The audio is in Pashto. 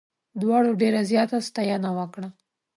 دواړو ډېره زیاته ستاینه وکړه.